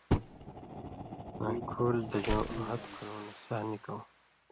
ہا کُھور دژؤں آں ہتہۡ کُھرؤں نہ سہہۡ نِکؤں